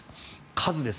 数です。